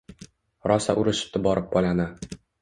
Rosa urishibdi borib bolani.